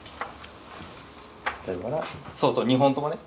そうそう２本ともね。